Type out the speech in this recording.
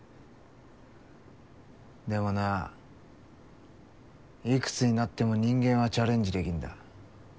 でもないくつになっても人間はチャレンジできんだ。